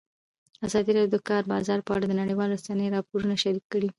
ازادي راډیو د د کار بازار په اړه د نړیوالو رسنیو راپورونه شریک کړي.